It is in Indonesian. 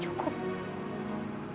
cukup kak cukup